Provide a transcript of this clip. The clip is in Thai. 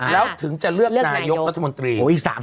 แล้วถึงจะเลือกนายกรัฐมนตรี